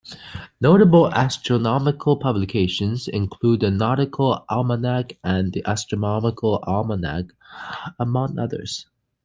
Notable astronomical publications include "The Nautical Almanac" and "The Astronomical Almanac" among others.